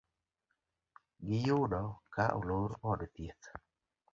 Gi yudo ka olor od thieth